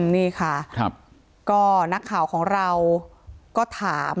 นี่ค่ะก็นักข่าวของเราก็ถาม